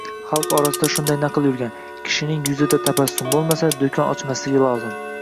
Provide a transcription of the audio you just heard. Halq orasida shunday naql yurgan: “Kishining yuzida tabassum boʻlmasa, doʻkon ochmasligi lozim”